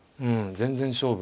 全然勝負。